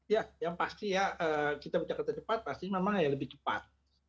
ya yang pasti ya kita bicara kereta cepat pasti memang ya lebih cepat